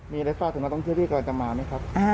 มีอะไรฝากถึงนักท่องเที่ยวที่กำลังจะมาไหมครับ